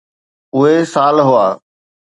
اهي سال هئا.